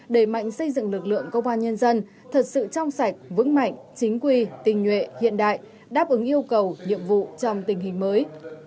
đẩy mạnh xây dựng lực lượng công an nhân dân thật sự trong sạch vững mạnh chính quy tình nguyện hiện đại đáp ứng yêu cầu nhiệm vụ trong tình hình mới